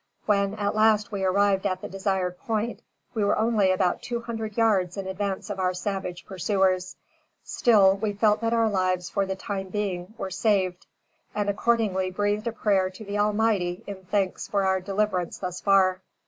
When, at last, we arrived at the desired point, we were only about two hundred yards in the advance of our savage pursuers; still, we felt that our lives, for the time being, were saved, and accordingly breathed a prayer to the Almighty in thanks for our deliverance thus far.